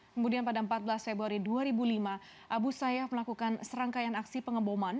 kemudian pada empat belas februari dua ribu lima abu sayyaf melakukan serangkaian aksi pengeboman